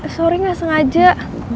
sorry nggak sengaja